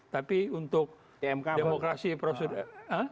tapi untuk demokrasi prosedur